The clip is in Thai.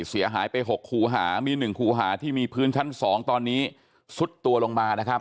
เสียหายไป๖คู่หามี๑คู่หาที่มีพื้นชั้น๒ตอนนี้ซุดตัวลงมานะครับ